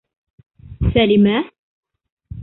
Сәлимә...